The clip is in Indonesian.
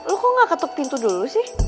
lu kok gak ketuk pintu dulu sih